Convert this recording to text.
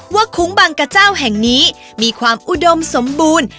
คุ้งบางกระเจ้าแห่งนี้มีความอุดมสมบูรณ์